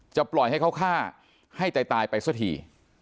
ปล่อยให้เขาฆ่าให้ตายไปสักที